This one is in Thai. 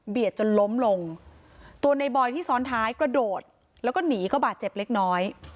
จนล้มลงตัวในบอยที่ซ้อนท้ายกระโดดแล้วก็หนีก็บาดเจ็บเล็กน้อย